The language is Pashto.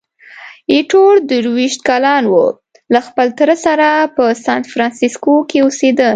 ایټور درویشت کلن وو، له خپل تره سره په سانفرانسیسکو کې اوسېده.